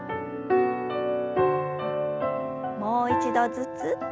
もう一度ずつ。